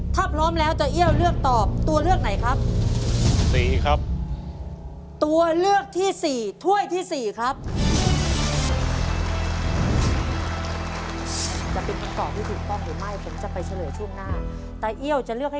ถ้าพร้อมแล้วตาเอี่ยวเลือกต่อ